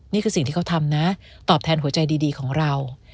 นี่คือสิ่งที่เขาทำนะตอบแทนหัวใจดีของเรา